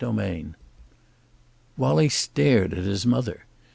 XXXVII Wallie stared at his mother.